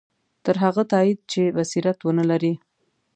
تر هغه تایید چې بصیرت ونه لري.